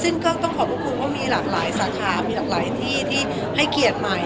ซึ่งก็ต้องขอบคุณว่ามีหลากหลายสาขามีหลากหลายที่ที่ให้เกียรติใหม่